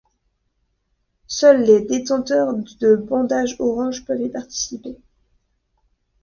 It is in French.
Seul les détenteurs de bandages orange peuvent y participer.